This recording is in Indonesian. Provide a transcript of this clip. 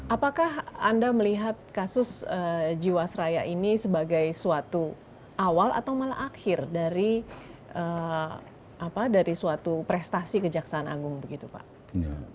apakah anda melihat kasus jiwasraya ini sebagai suatu awal atau malah akhir dari suatu prestasi kejaksaan agung begitu pak